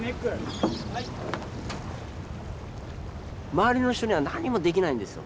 周りの人には何もできないんですよ。